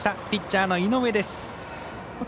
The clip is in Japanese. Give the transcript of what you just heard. ピッチャーの井上です。